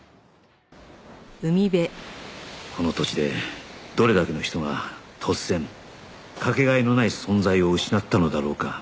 この土地でどれだけの人が突然かけがえのない存在を失ったのだろうか